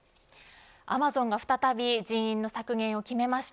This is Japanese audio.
アマゾンが再び人員の削減を決めました。